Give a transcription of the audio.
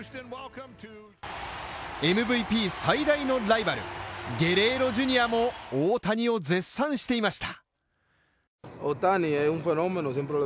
ＭＶＰ最大のライバルゲレーロＪｒ．も大谷を絶賛していました。